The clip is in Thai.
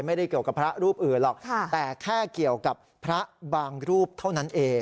ไม่ได้เกี่ยวกับพระรูปอื่นหรอกแต่แค่เกี่ยวกับพระบางรูปเท่านั้นเอง